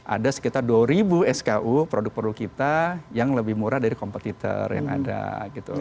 ada sekitar dua ribu sku produk produk kita yang lebih murah dari kompetitor yang ada gitu